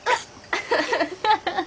アハハハハ！